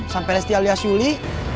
sampai resti alias yuli